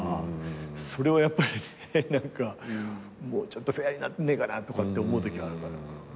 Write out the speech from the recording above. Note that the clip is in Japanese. それはやっぱり何かもうちょっとフェアになんねえかなとかって思うときあるから。